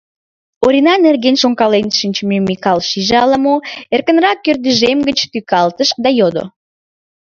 Орина нерген шонкален шинчымем Микал шиже ала-мо, эркынрак ӧрдыжем гыч тӱкалтыш да йодо: